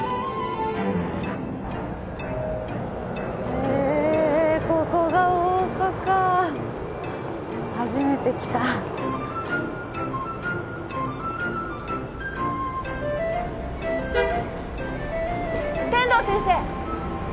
へえここが大阪初めて来た天堂先生！